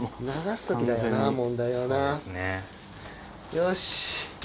よし。